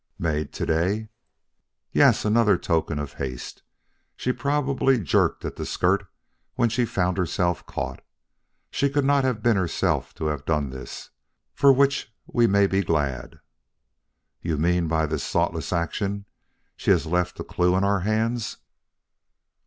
"Made to day?" "Yes another token of haste. She probably jerked at the skirt when she found herself caught. She could not have been herself to have done this for which we may be glad." "You mean that by this thoughtless action she has left a clue in our hands?"